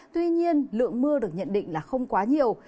tuy nhiên lượng mưa được nhận định là không quá nhiều